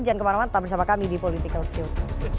jangan kemana mana tetap bersama kami di political show